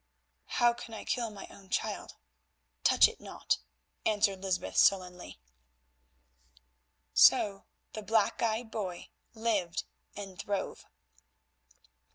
"How can I kill my own child? Touch it not," answered Lysbeth sullenly. So the black eyed boy lived and throve.